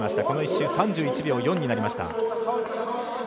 この１周３１秒４になりました。